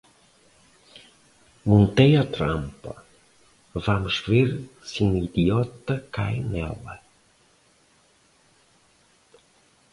Montei a trampa, vamos ver se um idiota cai nela